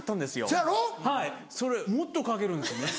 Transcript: それもっとかけるんですね。